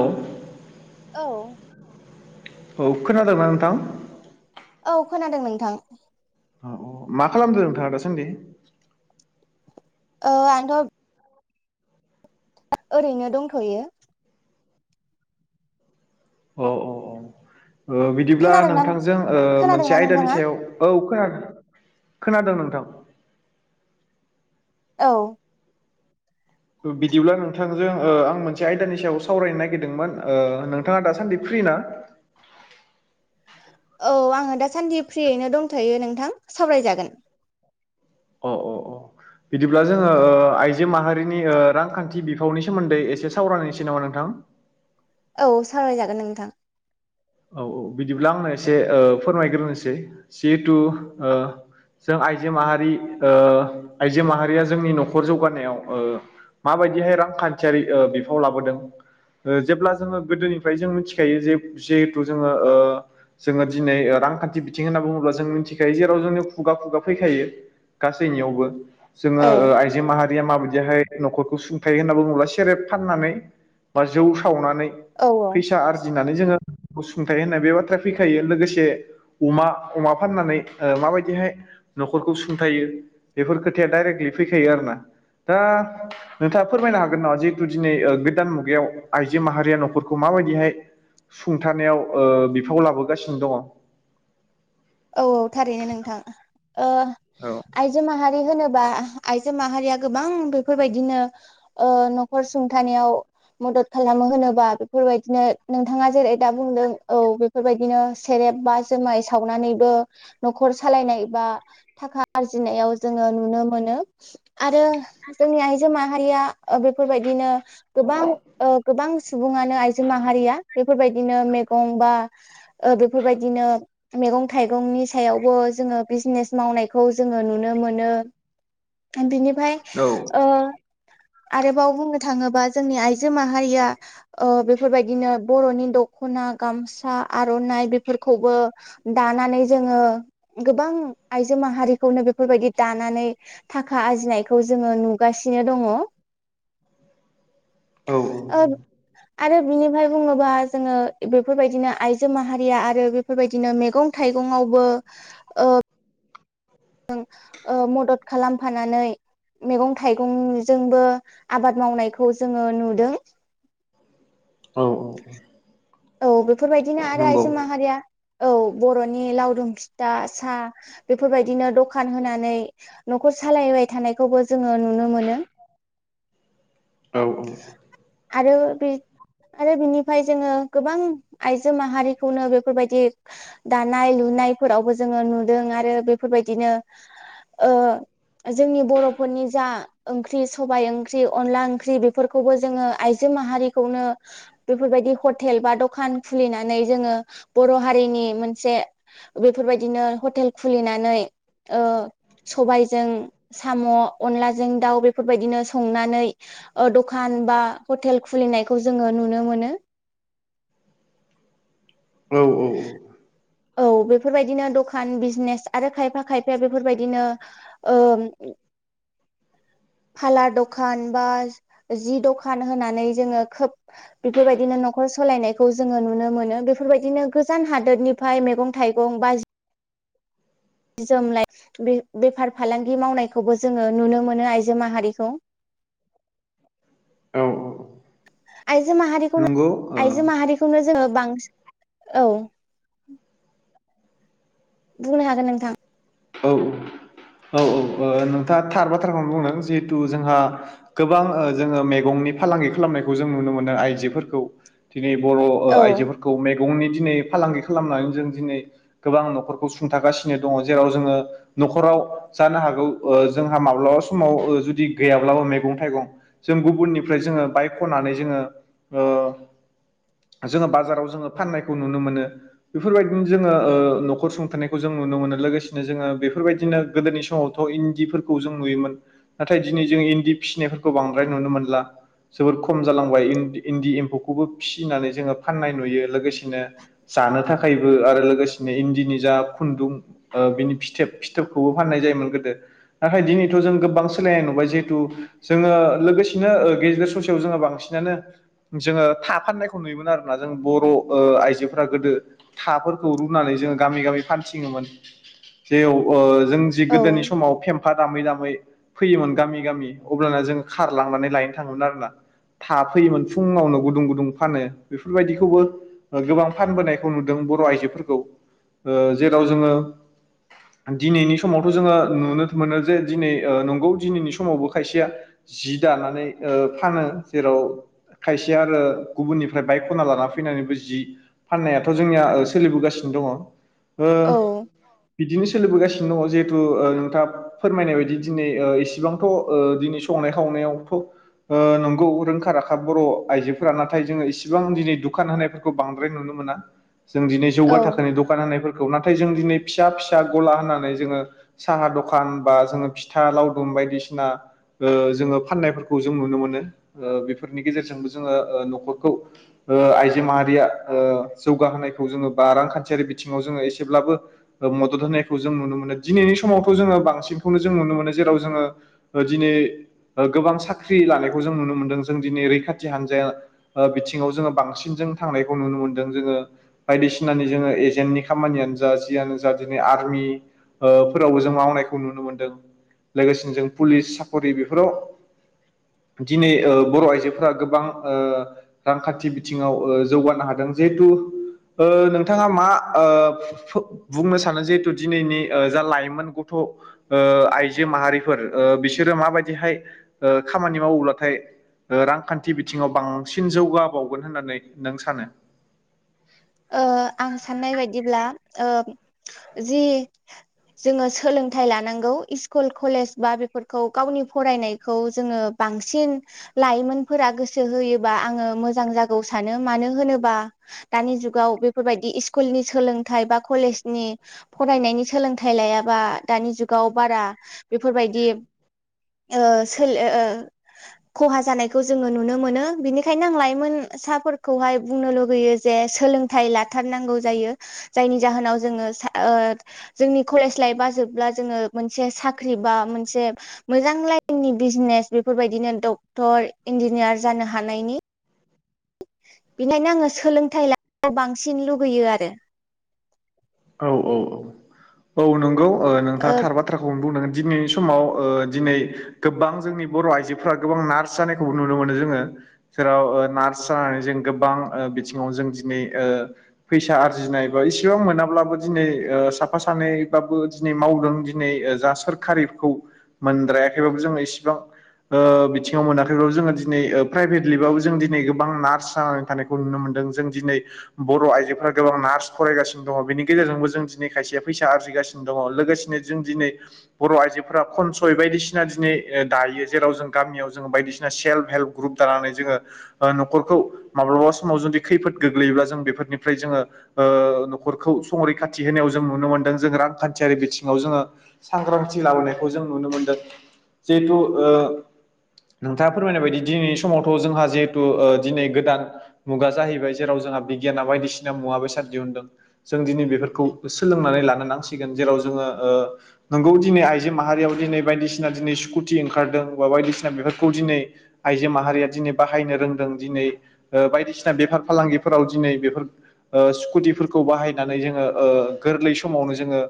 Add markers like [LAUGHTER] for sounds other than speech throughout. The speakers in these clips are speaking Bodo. औ। औ। औ खोनादोंना नोंथां? औ खोनादों नोंथां। अ औ मा खालामदों नोंथाङा दासान्दि? ओ आंथ' ओरैनो दंथ'यो। औ औ औ बिदिब्ला खोनादोंना नों नोंथांजों मोनसे खोनादोंना आयदानि नोंथाङा सायाव औ खोनादों खोनादों नोंथां। औ। बिदिब्ला नोंथांजों ओ आं मोनसे आयदानि सायाव सावरायनो नागिरदोंमोन ओ नोंथाङा दासान्दि फ्रि ना? औ आङो दाासान्दि फ्रियैनो दंथ'यो नोंथां सावरायजागोन। अ अ अ। बिदिब्ला जोङो ओ आइजो माहारिनि रांखान्थि बिफावनि सोमोन्दै ओ एसे सावरायनोसै नामा नोंथां? औ सावरायजागोन नोंथां औ औ बिदिब्ला आंनो एसे फोरमायग्रोनोसै जिहेथु ओ जों आइजो माहारि ओ आइजो माहारिया जोंनि न'खर जौगानायाव ओ माबायदिहाय रांखान्थियारि बिफाव लाबोदों ओ जेब्ला जोङो गोदोनिफ्राय जों मिथिखायो जे जिहेथु जोङो ओ जोङो दिनै रांखान्थि बिथिं होनना बुङोब्ला जों मिथिखायो जेराव जोंनि खुगा खुगा फैखायो। गासैनियावबो जोङो औ ओ आइजो माहारिया माबायदिहाय न'खरखौ सुंथाय होनना बुङोब्ला सेरेब फाननानै बा जौ सावनानै औ फैसा आरजिनानै जोङो। असुंथाइ होननाय बे बाथ्राया फैखायो लोगोसे अमा अमा फाननानै माबायदिहाय न'खरखौ सुंथायो बेफोर खोथाया डाइरेक्टलि फैखायो आरोना दा नोंथाङा फोरमायनो हागोन नामा जिहेतु दिनै गोदान मुगायाव आइजो माहारिया न'खरखौ माबायदिहाय सुंथानायाव बिफाव लाबोगासिनो दङ औ औ थारैनो नोंथां ओ आइजो माहारि होनोबा आइजो माहारिया गोबां बेफोरबायदिनो ओ न'खर सुंथानायाव मदद खालामो होनोबा बेफोरबायदिनो नोंथाङा जेरै दा बुंदों औ। बेफोरबायदिनो सेरेब बा जुमाय सावनानै ओ न'खर सालायनाय बा थाखा आरजिनायाव बा जोङो नुनो मोनो। आरो जोंनि आइजो माहारिया ओ बेफोरबायदिनो गोबां ओ गोबां सुबुङानो आइजो माहारिया बेफोरबायदिनो मैगं बा ओ बेफोरबायदिनो मैगं थाइगंनि सायावबो जोङो बिजनेस मावनायखौ जोङो नुनो मोनो। बिनिफ्राय औ ओ आरोबाव बुंनो थाङोबा जोंनि आइजो माहारिया ओ बेफोरबायदिनो बर'नि दखना गामसा आर'नाइ बेफोरखौबो दानानै जोङो गोबां आइजो माहारिखौनो बेफोरबायदि दानानै थाखा आरजिनायखौ जोङो नुगासिनो दङ। औ औ ओं आरो बिनिफ्राय बुङोबा जोङो बेफोरबायदिनो आइजो माहारिया आरो बेफोरबायदिनो मैगं थाइगंआवबो ओ ओ मदद खालामफानानै मैगं थाइगंजोंबो आबाद मावनायखौ जोङो नुदों। औ औ बेफोरबायदिनो आरो नंगौ आइजो माहारिया औ बर'नि लावदुम फिथा साहा बेफोरबायदिनो दखान होनानै न'खर सालायबाय थानायखौबो जोङो नुनो मोनो। [INAUDIBLE] औ आरो बे आरो बिनिफ्राय जोङो गोबां आइजो माहारिखौनो बेफोरबायदि दानाय लुनायफोरावबो जोङो नुदों आरो बेफोरबायदिनो ओ जोंनि बर'फोरनि जा ओंख्रि सबाय ओंख्रि अनला ओंख्रि बेफोरखौबो जोङो आइजो माहारिखौनो बेफोरबायदि हटेल बा दखान खुलिनानै जोङो बर' हारिनि मोनसे बेफोरबायदिनो हटेल खुलिनानै ओ सबायजों साम' अनलाजों दाउ बेफोरबायदिनो संनानै दखान बा हटेल खुलिनायखौ जोङो नुनो मोनो। औ औ औ बेफोरबायदिनो दखान बिजनेस आरो खायफा खायफाया बेफोरबायदिनो ओ फालार दखान बा जि दखान होनानै जोङो खोब बेफोरबायदिनो न'खर सालायनायखौ जोङो नुनो मोनो बेफोरबायदिनो गोजान हादोरनि ओमफाय मैगं थाइगं बाज जोम लाइ बे बेफार फालांगि मावनायखौबो जोङो नुनो मोनो आइजो माहारिखौ। आइजो नों माहारिखौनो आइजो माहारि खौनो जोङो बांसिन औ बुंनो हागोन नोंथां औ औ औ औ नोंथाङा थार बाथ्राखौनो बुंदों जिहेथु जोंहा गोबां जोङो मैगंनि फालांगि खालामनायखौ जों नुनो मोनो आइजोफोरखौ। दिनै बर' औ आइजोफोरखौ मेग मैगंनि दिनै फालांगि खालामनानै जों दिनै गोबां न'खरखौ सुंथागासिनो दङ जेराव जोङो न'खराव जानो हागौ जोंहा माब्लाबा समाव जुदि गैयाब्लाबो मैगं थाइगं जों गुबुननिफ्राय जोङो बायखनानै जोङो ओ जोङो बाजाराव जोङो फान्नायखौ नुनो मोनो। बेफोरबायदिनो जोङोह न'खर सुंथनायखौ जों नुनो मोनो लोगोसे जोङो बेफोरबायदिनो गोदोनि समावथ इन्दिफोरखौ जों नुयोमोन। नाथाय दिनै जों इन्दि फिसिनायफोरखौ बांद्राय नुनो मोनला। जोबोर खम जालांबाय इन्दि एम्फौखौबो फिसिनानै जोङो फाननाय नुयो लोगोसेनो जानो थाखायबो आरो लोगोसेनो इन्दिनि जा खुन्दुं बिनि फिथोब फिथोबखौबो फाननाय जायोमोन गोदो। नाथाय दिनैथ जों गोबां सोलायनाय नुबाय जिहेथु। जोङो लोगोसेनो गेजेर ससेयाव जोङो बांसिनानो जोङो था फाननायखौ नुयोमोन आरोना जों बर' आइजोफोरा गोदो थाफोरखौ रुनानै जोङो गामि गामि फानथिङोमोन। जेयाव जों जि औ गोदोनि समाव फेमफा दामै दामै फैयोमोन गामि गामि। अब्लाना जोङो खारलांनानै लायनो थाङोमोन आरोना। था फैयोमोन फुङावनो गुदुं गुदुं फानो बेफोरबायदिखौबो गोबां फानबोनायखौ नुदों बर' आइजोफोरखौ जेराव जोङो दिनैनि समावथ जोङो नुनो मोनो जे दिनै नंगौ दिनैनि समावबो खायसेया। जि दानानै फानो जेराव खायसे आरो गुबुननिफ्राय बायखना लाना फैनानैबो जि फाननायाथ जोंनिया सोलिबोगासिनो दङ। ओ औ। बिदिनो सोलिबोगासिनो दङ जिहेथु नोंथाङा फोरमायनाय बायदि दिनै इसिबांथ दिनै संनाय खावनायावथ' नंगौ रोंखा राखा बर' आइजोफोरा नाथाय जोङो इसिबां दिनै दुखान होनायफोर बांद्राय नुनो मोन जों दिनै औ जौगा थाखोनि ओ दखान होनाय ना जों फि फिसा फिसा गला होननानै जोङो साहा दखान बा जोङो फिथा लावदुम बायदिसिना जोङो फाननायफोरखौ जों नुनो मोनो बेफोरनि गेजेरजोंबो जोङो न'खरखौ आइजो माहारिया जौगाहोनायखौ जोङो बा रांखान्थियारि बिथिङाव जोङो एसेब्लाबो मदद होनायखौ जों नुनो मोनो दिनैनि समावथ' जोङो बांसिनखौनो जों नुनो मोनो जेराव जोङो दिनै गोबां साख्रि लानायखौ जों नुनो मोन्दों जों दिनै रैखाथि हान्जाया बिथिङाव जोङो बांसिन जों थांनायखौ नुनो मोनदों जोङो बायदिसिनानि जोङो एजेन्टनि खामानियानो जा जियानो जा दिनै आरमि फोरावबो जों मावनायखौ नुनो मोनदों। लोगोसेनो जों पुलिस साख'रि बेफोराव दिनै बर' आइजोफोरा गोबां ओ रांखान्थि बिथिङाव जौगानो हादों जिहेथु ओ नोंथाङा मा बुंनो सानो जिहेथु दिनैनि जा लाइमोन गथ' आइजो माहारिफोर बिसोरो माबायदिहाय खामानि मावोब्लाथाय। रांखान्थि बिथिङाव बांसिन जौगाबावगोन होननानै नों सानो। आं साननाय बायदिब्ला जि जोङो सोलोंथाइ लानांगौ स्कुल कलेज बा बेफोरखौ गावनि फरायनायखौ जोङो। बांसिन लाइमोनफोरा गोसो होयोबा आङो मोजां जागौ सानो मानो होनोबा दानि जुग गाव बेफोरबायदि स्कुलनि सोलोंथाइ बा कलेजनि फरायनायनि सोलोंथाइ लायाबा दानि जुगाव बारा बेफोरबायदि ओ सोलो खहा जानायखौ जोङो नुनो मोनो बिनिखायनो आं लाइमोन साफोरखौहाय बुंनो लुुबैयो जे सोलों थाय लाथारनांगौ जायो जायनि जाहोनाव जोङो सा ओ। जोंनि कलेज लाइफा जोबब्ला जोङो मोनसे साख्रि बा मोनसे मोजां लाइननि बिजनेस बेफोरबायदिनो डक्टर इन्जिनियार जानो हानायनि [INAUDIBLE] बिनिनो आङो सोलोंथाइ ला बांसिन लुगैयो आरो। औ औ औ औ नंगौ नोंथाङा ओ थार बा थ्राखौनो बुं दिनैनि समाव दिनै गोबां जोंनि बर' आइजोफोरा गोबां नार्स जानायखौबो नुनो मोनो जोङो। जेराव नार्स जानानै जों गोबां बिथिङाव जों दिनै ओ फैसा आरजिनायबा इसेबां मोनाब्ला बो दिनै साफा सानैबाबो दिनै मावदों दिनै जा सोरखारिखौ मोनद्रायाखैबाबो जोङो इसेबां बिथिङाव मोनाखैबाबो जोङो दिनै प्राइभेट लिबाबो जों दिनै गोबां नार्स जानानै थानाय नुनो मोनदों जों दिनै बर' आइजोफोरा गोबां नार्स फरायगासिनो दङ बेनि गेजेरजोंबो जों दिनै खायसेया फैसा आरजिगासिनो दङ लोगोसेनो जों दिनै बर' आइजोफोरा खनसय बायदिसिना दिनै दायो जेराव जों गामियाव जोङो बायदिसिना सेल्फ हेल्प ग्रुप दानानै जोङो न'खरखौ माब्लाबा समाव जुदि खैफोद गोग्लैयोब्ला जों बेफोरनिफ्राय जोङो ओ न'खरखौ संरैखाथि होनायाव जों नुनो मोन्दों जों रांखान्थियारि बिथिङाव जोङो सांग्रांथि लाबोनायखौ जों नुनो मोनदों जिहेथु ओ नोंथाङा फोरमायनाय बायदि दिनैनि समावथ' जोंहा जिहेथु दिनै गोदान मुगा जाहैबाय जेराव जोंहा बिगियाना बायदिसिना मुवा बेसाद दिहुनदों। जों दिनै बेफोरखौ सोलोंनानै लानो नांसिगोन जेराव जोङो ओ नोंगौ दिनै आइजो माहारियाव दिनै बायदिसिना दिनै स्कुटि ओंखारदों बा बायदिसिना बेफोरखौ दिनै आइजो माहारिया दिनै बाहायनो रोंदों दिनै बायदिसिना बेफार फालांगिफोराव दिनै बेफोर ओ स्कुटिफोरखौ बाहाय नानै जोङो गोरलै समावनो जोङो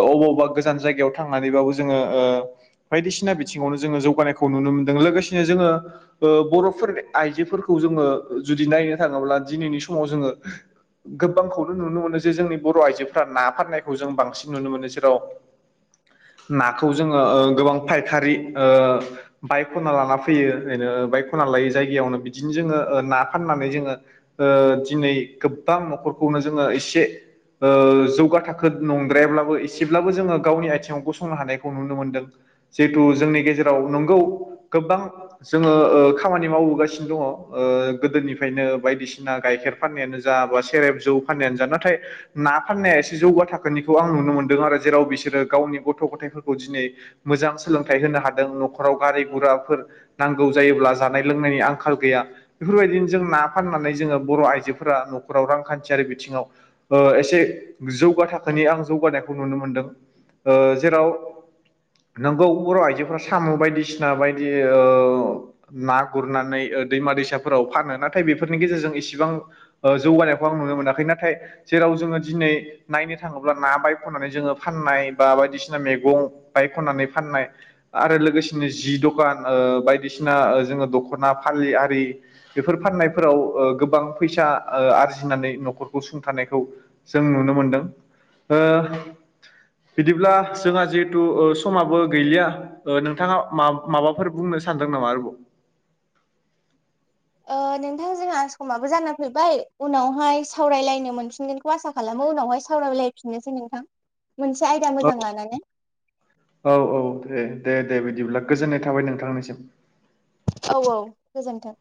अबावबा गोजान जायगायाव थांनानैबाबो जोङो ओ बायदिसिना बिथिङावनो जोङो जौगानायखौ नुनो मोन्दों लोगोसेनो जोङो बर'फोरनि आइजोफोरखौ जोङो जुदि नायनो थाङोब्ला दिनैनि समाव जोङो गोबांखौनो नुनो मोनो जे जोंनि बर' आइजोफोरा ना फाननायखौ जों बांसिन नुनो मोनो जेराव नाखौ जोङो गोबां फायखारि ओ बायखना लाना फैयो ओरैनो बायखना लायै जायगायावनो बिदिनो जोङो ना फाननानै जोङो ओ दिनै गोबां न'खरखौनो जोङो एसे जौगा थाखो नंद्रायाब्लाबो एसेब्लाबो जोङो गावनि आथिङाव गसंनो हानायखौ नुनो मोनदों। जिहेतु जोंनि गेजेराव नंगौ गोबां जोङो ओ खामानि मावबोगासिनो दङ गोदोनिफ्रायनो बायदिसिना गाइखेर फाननायानो जा बा सेरेब जौ फाननायानो जा नाथाय ना फाननाया एसे जौगा थाखोनिखौ आं नुनो मोनदों आरो जेराव बिसोरो गावनि गथ' गथायफोरखौ दिनै मोजां सोलोंथाइ होनो हादों न'खराव गारि गुराफोर नांगौ जायोब्ला जानाय लोंनायनि आंखाल गैया। बेफोरबायदिनो जों ना फाननानै जोङो बर' आइजोफोरा न'खराव रांखान्थियारि बिथिङाव ओ एसे जौगा थाखोनि आं जौगानायखौ नुनो मोनदों जेराव नोंगौ बर' आइजोफोरा साम' बायदिसिना बायदि ओ ना गुरनानै दैमा दैसाफोराव फानो नाथाय बेफोरनि गेजेरजों इसिबां ओ जौगानायखौ आं नुनो मोनाखै नाथाय जेराव जोङो दिनै नायनो थाङोब्ला ना बायख'नानै जोङो फाननाय बा बायदिसिना मैगं बायख'नानै फाननाय आरो लोगोसेनो जि दखान बायदिसिना जोङो दख'ना फालि आरि बेफोर फाननायफोराव गोबां फैसा आरजिनानै न'खरखौ सुंथानाय खौ जों नुनो मोनदों ओ बिदिब्ला जोंहा जिहेथु समाबो गैलिया ओ नोंथाङा माबाफोर बुंनो सानदों नामा आरोबाव? ओ‌ नोंथां जोंहा समाबो जाना फैबाय उनावहाय सावरायलायनो मोनफिनगोन खौ आसा खालामो उनावहाय सावरायलायफिननोसै नोंथां मोनसे आयदा मोजां लानानै। औ औ दे दे दे बिदिब्ला गोजोननाय थाबाय नोंथांनिसिम। औ औ गोजोन्थों।